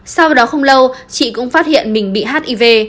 sau đó không lâu chị cũng phát hiện mình bị hiv